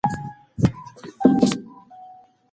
ایا ته غواړې چې بریالی څېړونکی شې؟